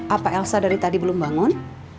apa elsa dari tadi belum bangun